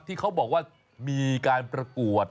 ที่เขาบอกว่ามีการประกวด